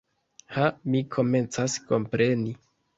Ha, mi komencas kompreni.